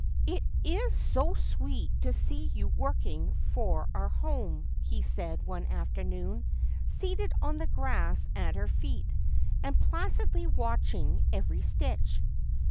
' It is so sweet to see you working for our home,' he said one afternoon, seated on the grass at her feet, and placidly watching every stitch.